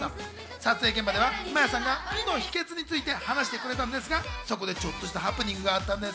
撮影現場ではＭＡＹＡさんが美の秘訣について話してくれたんですが、そこでちょっとしたハプニングがあったんです。